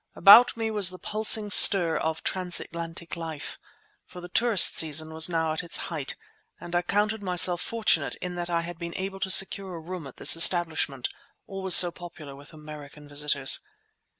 About me was the pulsing stir of transatlantic life, for the tourist season was now at its height, and I counted myself fortunate in that I had been able to secure a room at this establishment, always so popular with American visitors.